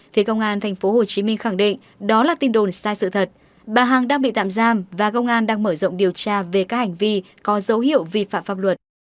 phía công an tp hcm khẳng định đó là tin đồn sai sự thật bà hằng đang bị tạm giam và công an đang mở rộng điều tra về các hành vi có dấu hiệu vi phạm pháp luật